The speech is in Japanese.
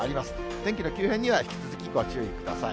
天気の急変には引き続き、ご注意ください。